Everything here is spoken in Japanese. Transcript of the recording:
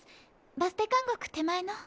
バステ監獄手前の。